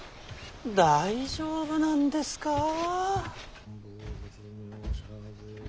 大丈夫なんですか。